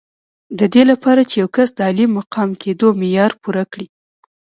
د دې لپاره چې یو کس د عالي مقام کېدو معیار پوره کړي.